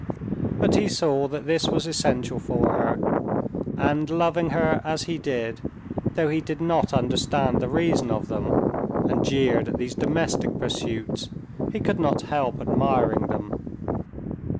But he saw that this was essential for her. And, loving her as he did, though he did not understand the reason of them, and jeered at these domestic pursuits, he could not help admiring them.